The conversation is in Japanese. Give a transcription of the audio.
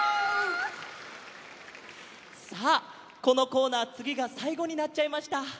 さあこのコーナーつぎがさいごになっちゃいました。